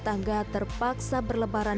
tangga terpaksa berlebaran